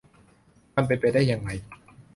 มันเป็นไปได้ยังไง